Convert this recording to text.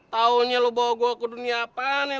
tahunya lo bawa gue ke dunia apa nih